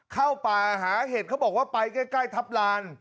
เข้าป่าหาเห็ดเขาบอกว่าไปใกล้ทัพลาน